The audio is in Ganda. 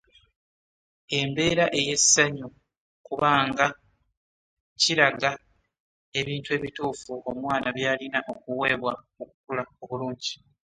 Embeera ey’essanyu kubanga kiraga ebintu ebituufu omwana by’alina okuweebwa okukula obulungi.